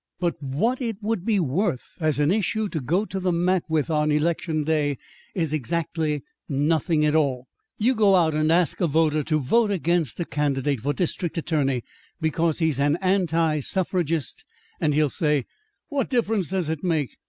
But what it would be worth as an issue to go to the mat with on election day, is exactly nothing at all. You go out and ask a voter to vote against a candidate for district attorney because he's an anti suffragist, and he'll say, 'What difference does it make?